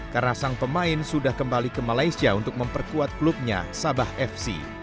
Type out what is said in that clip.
karena sang pemain sudah kembali ke malaysia untuk memperkuat klubnya sabah fc